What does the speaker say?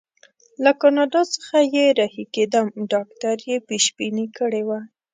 له کاناډا څخه چې رهي کېدم ډاکټر یې پېشبیني کړې وه.